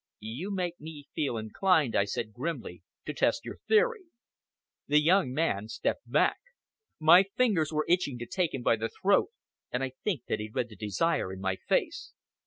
"You make me feel inclined," I said grimly, "to test your theory." The young man stepped back. My fingers were itching to take him by the throat, and I think that he read the desire in my face.